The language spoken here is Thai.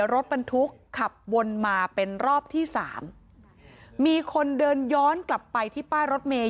รถบรรทุกขับวนมาเป็นรอบที่สามมีคนเดินย้อนกลับไปที่ป้ายรถเมย์